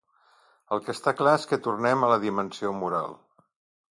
El que està clar és que tornem a la dimensió moral.